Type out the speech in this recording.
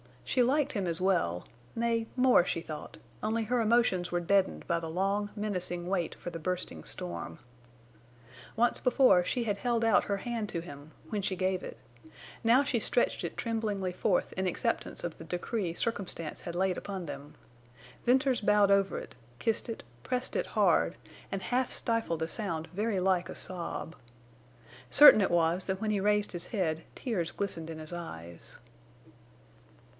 She liked him as well—nay, more, she thought, only her emotions were deadened by the long, menacing wait for the bursting storm. Once before she had held out her hand to him—when she gave it; now she stretched it tremblingly forth in acceptance of the decree circumstance had laid upon them. Venters bowed over it kissed it, pressed it hard, and half stifled a sound very like a sob. Certain it was that when he raised his head tears glistened in his eyes.